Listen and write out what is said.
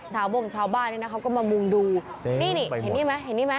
สาวโม่งชาวบ้านด้วยนะครับก็มามุมดูนี่นี่เห็นนี่มั้ยเห็นนี่มั้ย